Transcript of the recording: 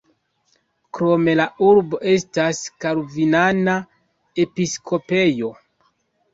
Krome la urbo estas kalvinana episkopejo.